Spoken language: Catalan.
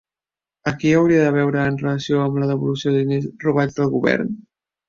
A qui hauria de veure en relació amb la devolució de diners robats del govern?